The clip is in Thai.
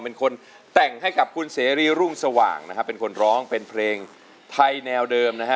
เป็นคนแต่งให้กับคุณเสรีรุ่งสว่างนะครับเป็นคนร้องเป็นเพลงไทยแนวเดิมนะฮะ